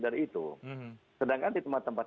dari itu sedangkan di tempat tempat